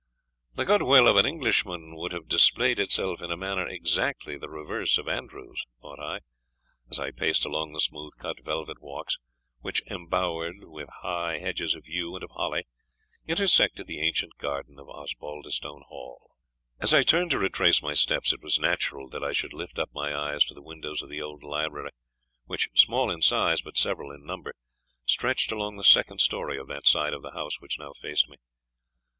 "The good will of an Englishman would have displayed itself in a manner exactly the reverse of Andrew's," thought I, as I paced along the smooth cut velvet walks, which, embowered with high, hedges of yew and of holly, intersected the ancient garden of Osbaldistone Hall. As I turned to retrace my steps, it was natural that I should lift up my eyes to the windows of the old library; which, small in size, but several in number, stretched along the second story of that side of the house which now faced me.